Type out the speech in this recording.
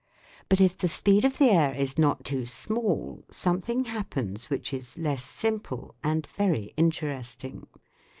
But, if the speed of the air is not too small, something happens which is less simple, and very interesting.